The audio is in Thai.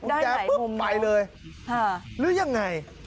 ขาปิดแนะไปหรือยังไง